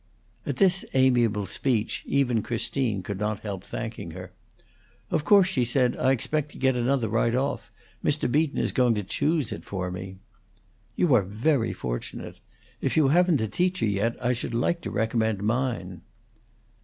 At this amiable speech even Christine could not help thanking her. "Of course," she said, "I expect to get another, right off. Mr. Beaton is going to choose it for me." "You are very fortunate. If you haven't a teacher yet I should so like to recommend mine."